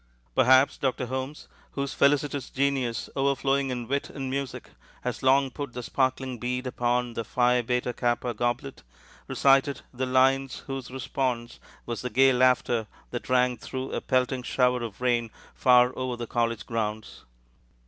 Perhaps Dr. Holmes, whose felicitous genius overflowing in wit and music has long put the sparkling bead upon the Phi Beta Kappa goblet, recited the lines whose response was the gay laughter that rang through a pelting shower of rain far over the college grounds.